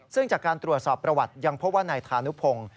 ซึ่งจากการตรวจสอบประวัติยังพบว่านายธานุพงศ์